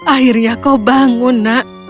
akhirnya kau bangun nak